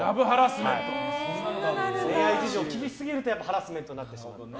恋愛事情を聞きすぎるとハラスメントになると。